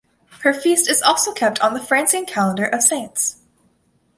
Her feast is also kept on the Franciscan Calendar of Saints.